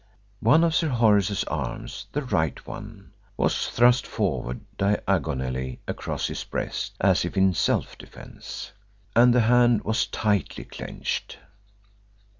One of Sir Horace's arms the right one was thrust forward diagonally across his breast as if in self defence, and the hand was tightly clenched.